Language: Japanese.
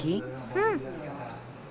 うん。